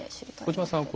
小島さん